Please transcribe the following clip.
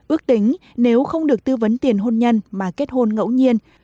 ước tính nếu không được tư vấn tiền hôn nhân mà kết hôn ngẫu nhiên